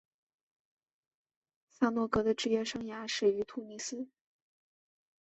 萨诺戈的职业生涯始于突尼斯。